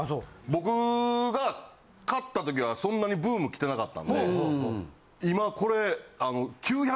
僕が買ったときはそんなにブーム来てなかったんで今これ。